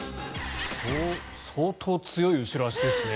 相当強い後ろ足ですね。